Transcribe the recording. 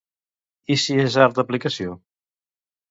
I si és art d'aplicació?